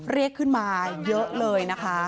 เรียกขึ้นมาเยอะเลยนะคะ